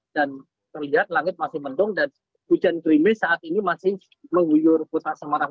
dan terlihat langit masih mendung dan hujan krimis saat ini masih menguyur kota semarang